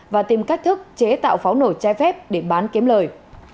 và tìm cách thức chế tạo pháo nổi trái phép để bán kiếm lời